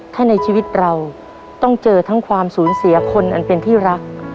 ถ้าในชีวิตเราต้องเจอทั้งความสูญเสียคนอันเป็นที่รัก